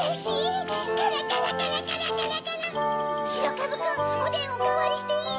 かぶくんおでんおかわりしていい？